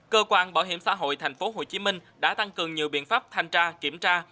cơ quan bảo hiểm xã hội tp hcm đã tăng cường nhiều biện pháp thanh tra kiểm tra